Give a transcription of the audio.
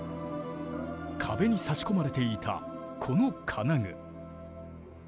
壁に差し込まれていたこの金具。